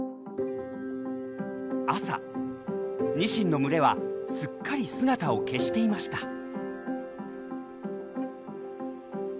朝ニシンの群れはすっかり姿を消していました。